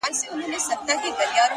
ماته دي د سر په بيه دوه جامه راکړي دي،